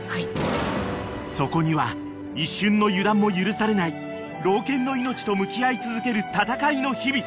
［そこには一瞬の油断も許されない老犬の命と向き合い続ける闘いの日々］